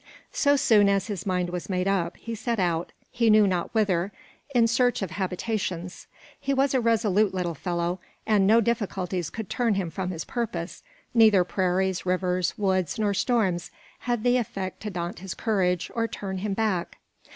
So soon as his mind was made up, he set out, he knew not whither, in search of habitations. He was a resolute little fellow, and no difficulties could turn him from his purpose; neither prairies, rivers, woods nor storms had the effect to daunt his courage or turn him back.